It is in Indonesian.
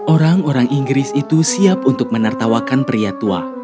orang orang inggris itu siap untuk menertawakan pria tua